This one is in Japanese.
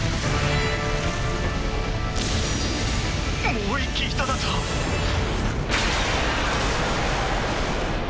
もう一機いただと⁉ドスッ！